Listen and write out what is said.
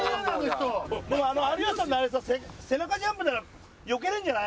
有吉さんのあれ背中ジャンプならよけられるんじゃない？